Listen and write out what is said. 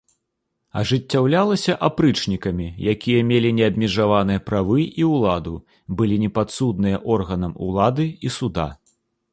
Ажыццяўлялася апрычнікамі, якія мелі неабмежаваныя правы і ўладу, былі непадсудныя органам улады і суда.